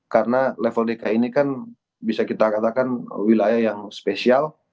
karena level dki ini kan bisa kita katakan wilayah yang spesial